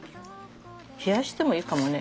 冷やしてもいいかもね。